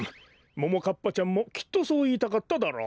ももかっぱちゃんもきっとそういいたかったダロ。